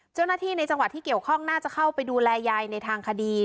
เจ้าหน้าที่ในจังหวัดที่เกี่ยวข้องน่าจะเข้าไปดูแลยายในทางคดี